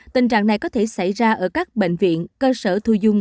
tình trạng này có thể xảy ra ở các bệnh viện cơ sở thu dung